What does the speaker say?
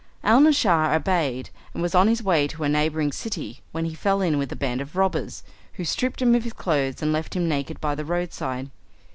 Alnaschar obeyed, and was on his way to a neighbouring city when he fell in with a band of robbers, who stripped him of his clothes and left him naked by the roadside.